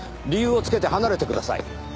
理由をつけて離れてください。